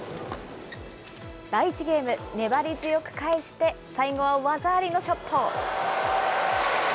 第１ゲーム、粘り強く返して、最後は技ありのショット。